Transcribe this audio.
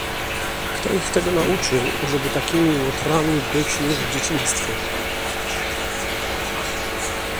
"Kto ich tego nauczył, żeby takimi łotrami być już w dzieciństwie."